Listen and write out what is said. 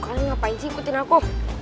kalian ngapain sih ikutin aku